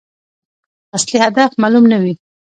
اصلي هدف معلوم نه وي.